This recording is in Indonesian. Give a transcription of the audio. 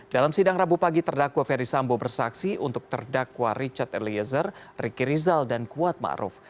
dalam sindang rabu pagi terdakwa verdi sambu bersaksi untuk terdakwa richard eliezer ricky rizal dan kuat maruf